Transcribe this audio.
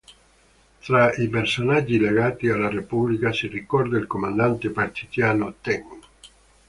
Tra i personaggi legati alla Repubblica si ricorda il comandante partigiano Ten.